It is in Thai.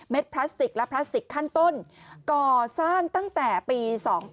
พลาสติกและพลาสติกขั้นต้นก่อสร้างตั้งแต่ปี๒๕๕๘